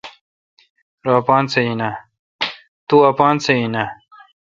تو اپان سہ این اؘ